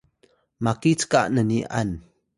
maki cka nni’an